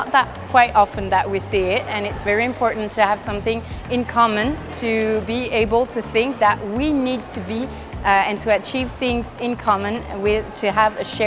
dan untuk mencapai hal yang berkaitan untuk memiliki keberkaitan yang berkaitan karena semua orang membutuhkannya